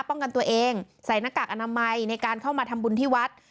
ป้องกันตัวเองใส่หน้ากากอนามัยในการเข้ามาทำบุญที่วัด